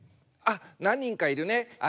あっ何人かいるね。